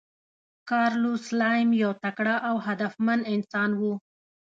کارلوس سلایم یو تکړه او هدفمند انسان و.